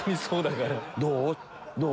どう？